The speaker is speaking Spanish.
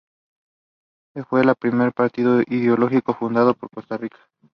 Fue el primer partido ideológico fundado en Costa Rica.